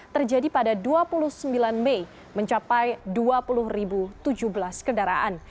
terjadi pada dua puluh sembilan mei mencapai dua puluh tujuh belas kendaraan